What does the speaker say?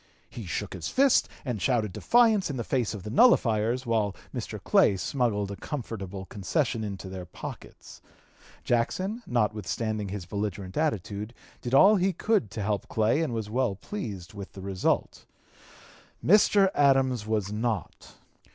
He shook his fist and shouted defiance in the face of the nullifiers, while Mr. Clay smuggled a comfortable concession into their pockets. Jackson, notwithstanding his belligerent attitude, did all he could to help Clay and was well pleased with the result. Mr. Adams was not.